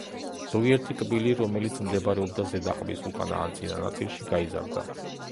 ზოგიერთი კბილი, რომელიც მდებარეობდა ზედა ყბის უკანა, ან წინა ნაწილში გაიზარდა.